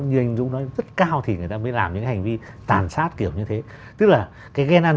như anh dũng nói rất cao thì người ta mới làm những cái hành vi tàn sát kiểu như thế tức là cái ghen ăn